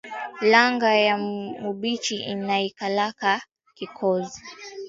Kalanga ya mubichi inaikalaka kikoozi